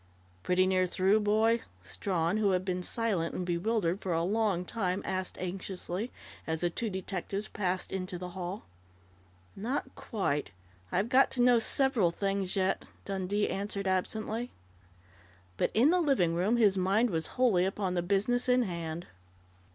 "Pretty near through, boy?" Strawn, who had been silent and bewildered for a long time, asked anxiously, as the two detectives passed into the hall. "Not quite. I've got to know several things yet," Dundee answered absently. But in the living room his mind was wholly upon the business in hand.